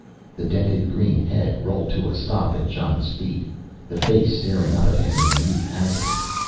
The dented, green head rolled to a stop at Jon's feet, the face staring up at him in mute agony.